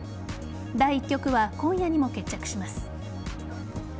第１局は今夜にも決着します。